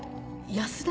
安田？